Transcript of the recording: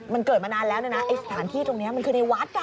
มันเกิดมานานแล้วนะไอ้สถานที่ตรงนี้มันคือในวัด